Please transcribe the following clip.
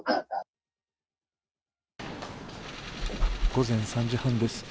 午前３時半です。